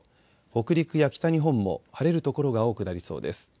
北陸や北日本も晴れる所が多くなりそうです。